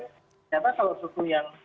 ternyata salah satu yang